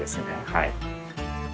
はい。